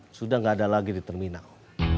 sudah tidak ada lagi di terminal